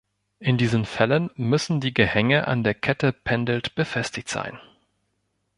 In diesen Fällen müssen die Gehänge an der Kette pendelnd befestigt sein.